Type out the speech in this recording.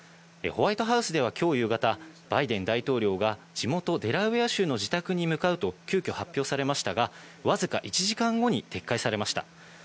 ホワイトハウスではきょう夕方、バイデン大統領が地元・デラウェア州の自宅に向かうと急きょ発表されましたがわずか１時間後に撤回されました。